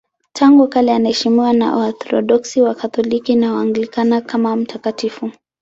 Tangu kale anaheshimiwa na Waorthodoksi, Wakatoliki na Waanglikana kama mtakatifu.